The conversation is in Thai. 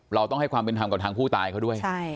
เราต้องให้ความเป็นธรรมกับทางผู้ตายเขาด้วย